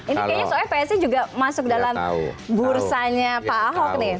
ini kayaknya soalnya psi juga masuk dalam bursanya pak ahok nih